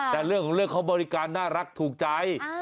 แต่เรื่องของเรื่องเขาบริการน่ารักถูกใจ